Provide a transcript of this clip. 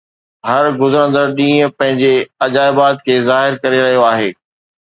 هر گذرندڙ ڏينهن پنهنجي عجائبات کي ظاهر ڪري رهيو آهي.